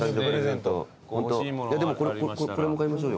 でもこれも買いましょうよ。